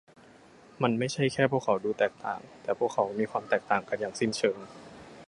มันไม่ใช่แค่พวกเขาดูแตกต่าง แต่พวกเขามีความแตกต่างกันอย่างสิ้นเชิง